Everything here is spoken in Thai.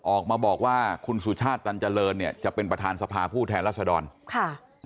ออกมาบอกว่าคุณสุชาติตันเจริญเนี่ยจะเป็นประธานสภาผู้แทนรัศดรค่ะ